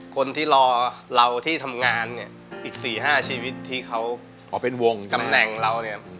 คนที่รอเราที่ทำงานเนี่ยอีก๔๕ชีวิตที่เขาอ๋อเป็นวงตำแหน่งเราเนี่ย